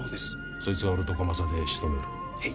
そいつは俺と小政でしとめるへい！